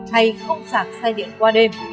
hay không xạc xe điện qua đêm